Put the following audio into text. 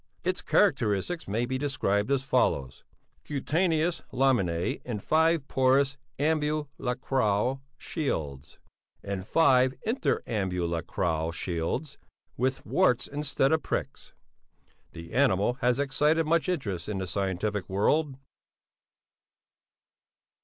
Its characteristics may be described as follows: Cutaneous laminæ in five porous ambulacral shields and five interambulacral shields, with warts instead of pricks. The animal has excited much interest in the scientific world.